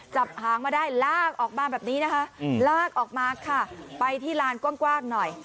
หางมาได้ลากออกมาแบบนี้นะคะลากออกมาค่ะไปที่ลานกว้างหน่อย